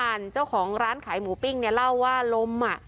เจ้าของร้านขายหมูปิ้งเนี่ยเล่าว่าลมอ่ะ